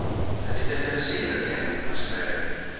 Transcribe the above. "And did they never see her again?" asked Mary.